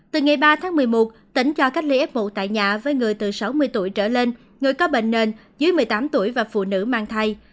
từ ngày ba tháng một mươi một tỉnh cho cách ly ép mụ tại nhà với người từ sáu mươi tuổi trở lên người có bệnh nền dưới một mươi tám tuổi và phụ nữ mang thai